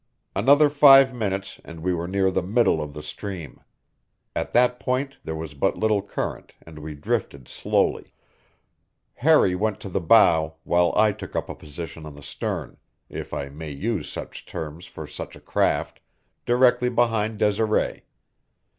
Another five minutes and we were near the middle of the stream. At that point there was but little current and we drifted slowly. Harry went to the bow, while I took up a position on the stern if I may use such terms for such a craft directly behind Desiree.